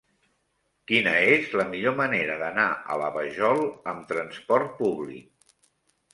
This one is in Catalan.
Quina és la millor manera d'anar a la Vajol amb trasport públic?